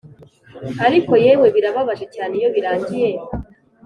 ariko yewe birababaje cyane iyo birangiye